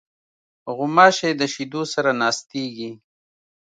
غوماشې د شیدو سره ناستېږي.